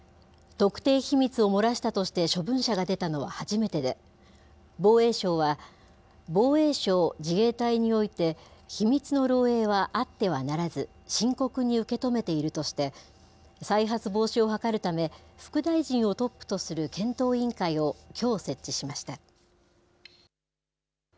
特定秘密を漏らしたとして処分者が出たのは初めてで、防衛省は、防衛省・自衛隊において、秘密の漏えいはあってはならず、深刻に受け止めているとして、再発防止を図るため、副大臣をトップとする検討委員会をきょう設置しました。